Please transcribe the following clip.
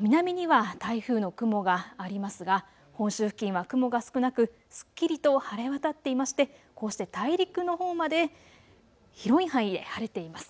南には台風の雲がありますが本州付近は雲が少なくすっきりと晴れわたっていましてこうして大陸のほうまで広い範囲で晴れています。